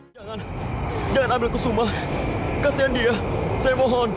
jangan dan ambil kesumah kasihan dia saya mohon